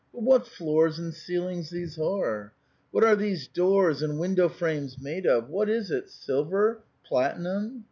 But what floors and ceilings these are ! What are these doors and window frames made of ? What is it? Silver? Platinum?